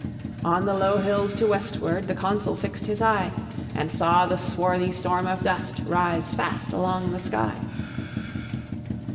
On the low hills to westward The Consul fixed his eye, And saw the swarthy storm of dust Rise fast along the sky.